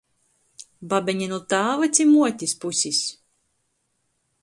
Babeņa nu tāva ci muotis pusis?